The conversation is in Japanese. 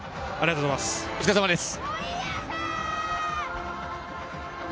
お疲れさまです。